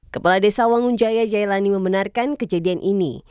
kepala desa wangunjaya jailani membenarkan kejadian ini